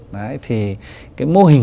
đấy thì cái mô hình